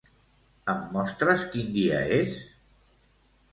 Em mostres quin dia és?